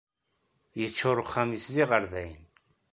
Yeččur uxxam-is d iɣerdayen.